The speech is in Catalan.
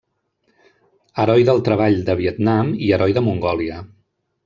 Heroi del Treball de Vietnam i Heroi de Mongòlia.